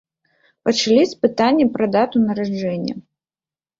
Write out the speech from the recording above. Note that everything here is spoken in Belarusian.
Пачалі з пытання пра дату нараджэння.